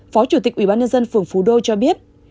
phó chủ tịch ubnd phường phú đô cho biết